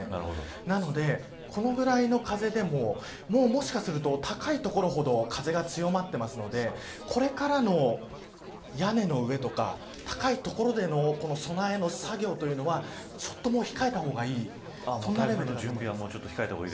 なので、このぐらいの風でももしかすると、高い所ほど風が強まっていますのでこれからの屋根の上とか高い所での備えの作業というのはちょっと控えた方がいいそんなレベルです。